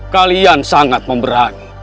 kalian sangat memberani